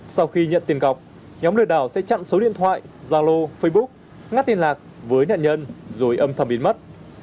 sau khi nhận tiền cọc nhóm lừa đảo sẽ chặn số điện thoại zalo facebook ngắt liên lạc với nạn nhân rồi âm thầm biến mất